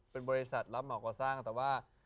เป็นบริษัทรับเหมาก่อสร้างแต่ว่า